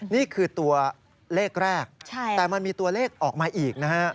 นี่คือตัวเลขแรกแต่มันมีตัวเลขออกมาอีกนะฮะ